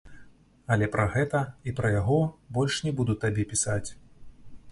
Але пра гэта і пра яго больш не буду табе пісаць.